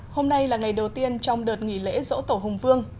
hôm nay là ngày đầu tiên trong đợt nghỉ lễ dỗ tổ hùng vương